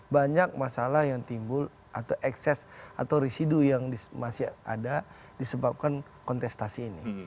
banyak masalah yang timbul atau ekses atau risidu yang masih ada disebabkan kontestasi ini